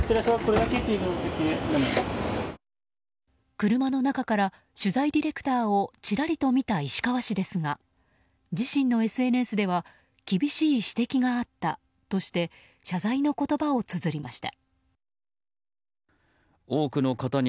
車の中から取材ディレクターをちらりと見た石川氏ですが自身のＳＮＳでは厳しい指摘があったとして謝罪の言葉をつづりました。